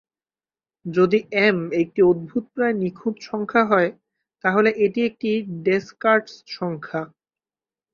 যদি "এম" একটি অদ্ভুত প্রায় নিখুঁত সংখ্যা হয় তাহলে এটি একটি ডেসকার্টস সংখ্যা।